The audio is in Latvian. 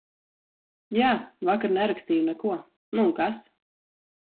Jā, vakar nerakstīju neko, nu un kas?